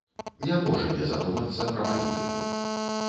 Не можа не задумацца пра палітыку.